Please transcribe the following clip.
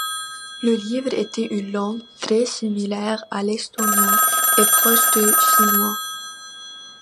Le live était une langue très similaire à l'estonien et proche du finnois.